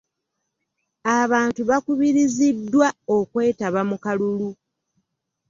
Abantu bakubiriziddwa okwetaba mu kalulu.